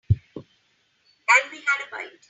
And we had a bite.